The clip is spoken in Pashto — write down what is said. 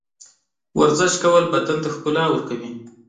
ورزش کول بدن ته ښکلا ورکوي.